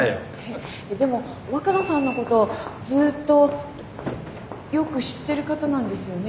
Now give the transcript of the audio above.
えっでも若菜さんのことをずっとよく知ってる方なんですよね？